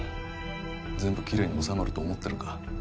全部キレイに収まると思ってるか？